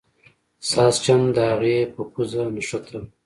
ساسچن د هغې په پوزه نښتل.